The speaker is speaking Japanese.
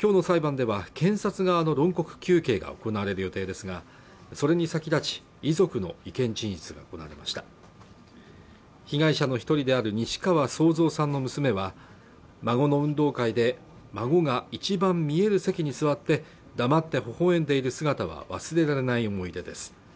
今日の裁判では検察側の論告求刑が行われる予定ですがそれに先立ち遺族の意見陳述が行われました被害者の一人である西川惣藏さんの娘は孫の運動会で孫が一番見える席に座って黙って微笑んでいる姿は忘れられない思い出です